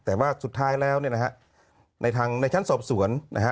แต่ว่าสุดท้ายแล้วเนี่ยนะฮะในทางในชั้นสอบสวนนะฮะ